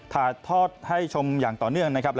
ถ่ายทอดให้ชมอย่างต่อเนื่องนะครับ